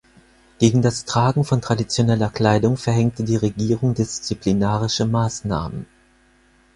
Gegen das Tragen von traditioneller Kleidung verhängte die Regierung disziplinarische Maßnahmen.